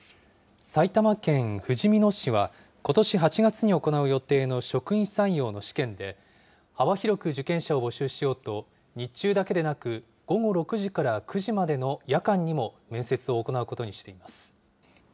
埼玉県ふじみ野市は、ことし８月に行う予定の職員採用の試験で、幅広く受験者を募集しようと、日中だけでなく、午後６時から９時までの夜間にも面接を行うことにしています。